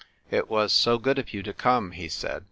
"It was so good of you to come," he said.